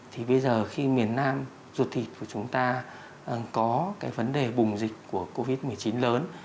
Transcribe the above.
thì bây giờ khi miền nam ruột thịt của chúng ta có cái vấn đề bùng dịch của covid một mươi chín lớn